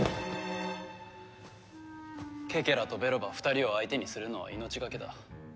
ケケラとベロバ２人を相手にするのは命がけだ。